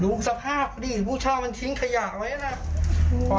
สภาพดิผู้เช่ามันทิ้งขยะไว้นะ